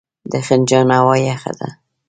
د خنجان هوا یخه ده